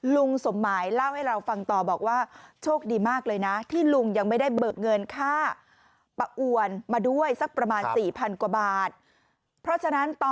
ลุงสมหมายเล่าให้เราฟังต่อบอกว่าโชคดีมากเลยนะที่ลุงยังไม่ได้เบิกเงินค่าปะอวนมาด้วยสักประมาณสี่พันกว่าบาทเพราะฉะนั้นต่อ